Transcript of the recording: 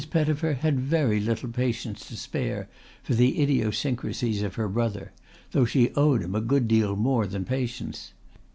Pettifer had very little patience to spare for the idiosyncrasies of her brother, though she owed him a good deal more than patience.